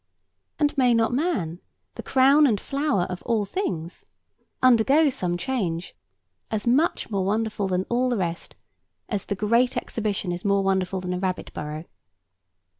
And may not man, the crown and flower of all things, undergo some change as much more wonderful than all the rest, as the Great Exhibition is more wonderful than a rabbit burrow?